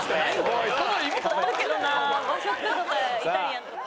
もっとあるけどな和食とかイタリアンとか。